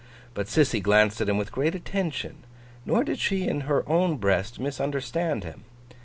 But, Sissy glanced at him with great attention; nor did she in her own breast misunderstand him.